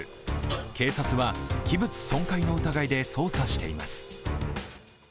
警察は器物損壊の疑いで捜査しています。